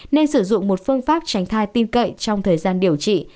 nên sử dụng một phương pháp tránh thai tin cậy trong thời gian điều trị